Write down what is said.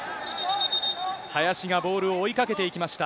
林がボールを追いかけていきました。